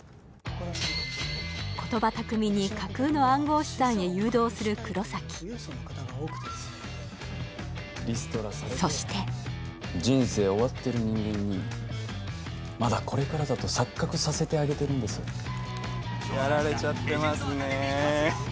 言葉巧みに架空の暗号資産へ誘導する黒崎そして人生終わってる人間にまだこれからだと錯覚させてあげてるんですやられちゃってますねえ